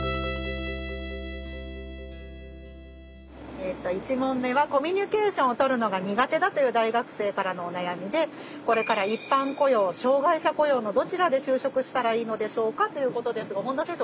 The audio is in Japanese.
えっと１問目はコミュニケーションを取るのが苦手だという大学生からのお悩みで「これから一般雇用障害者雇用のどちらで就職したらいいのでしょうか？」ということですが本田先生